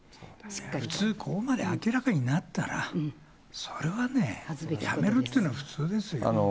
普通ここまで明らかになったら、それはね、辞めるというのが普通ですよ。